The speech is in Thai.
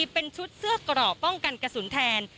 เป็นชุดเสื้อกรอกป้องกันกระสุนแทน